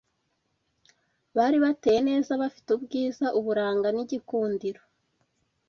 Bari bateye neza, bafite ubwiza, uburanga n’igikundiro